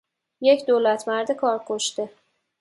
یک دولتمرد کار کشته